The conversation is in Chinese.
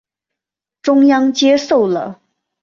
中央接受了。